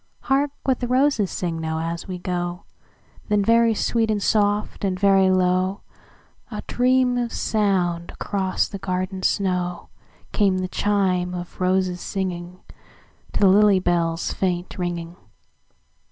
"Hark what the roses sing now, as we go;"Then very sweet and soft, and very low,—A dream of sound across the garden snow,—Came the chime of roses singingTo the lily bell's faint ringing.